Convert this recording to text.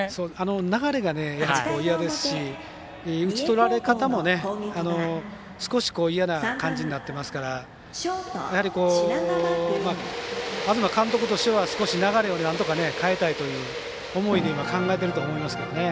流れが嫌ですし打ちとられ方も少し嫌な感じになってますから東監督としては少し流れをなんとか変えたいという思いで考えてると思いますけどね。